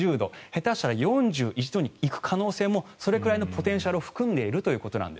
下手したら４１度に行く可能性もそれくらいのポテンシャルを含んでいると。